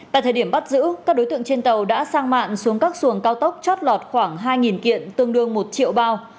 tại thời điểm bắt giữ các đối tượng trên tàu đã sang mạng xuống các xuồng cao tốc chót lọt khoảng hai kiện tương đương một triệu bao